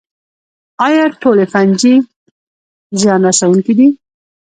ایا ټولې فنجي زیان رسوونکې دي